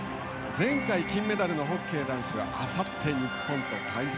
前回、金メダルのホッケー男子はあさって、日本と対戦。